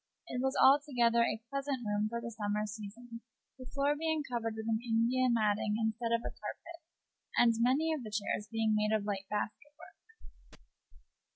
It was altogether a pleasant room for the summer season, the floor being covered with an India matting instead of a carpet, and many of the chairs being made of light basket work.